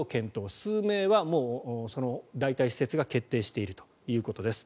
数名は代替施設が決まっているということです。